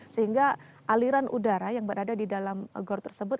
sehingga aliran udara yang berada di dalam gor tersebut